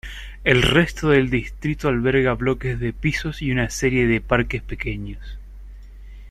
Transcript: El resto del distrito alberga bloques de pisos y una serie de parques pequeños.